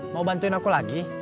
mau bantuin aku lagi